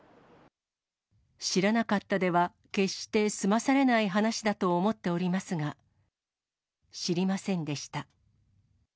知らなかったでは決して済まされない話だと思っておりますが、知りませんでした。